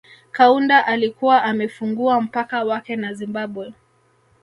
Kaunda alikuwa amefungua mpaka wake na Zimbabwe